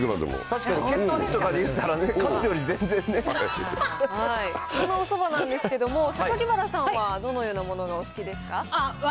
確かに血糖値とかでいったら、そのおそばなんですけれども、榊原さんは、どのようなものがお好きですか？